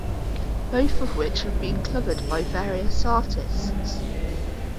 Both of which have been covered by various artists.